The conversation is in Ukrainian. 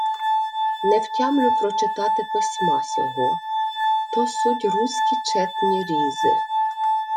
— Не втямлю прочитати письма сього. То суть руські четні різи.